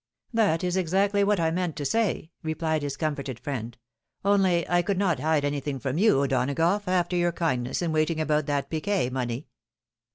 " That is exactly what I meant to say," replied his com forted friend; "only I could not hide anything from you, O'Donagough, after your kindness in waiting about that piquet money.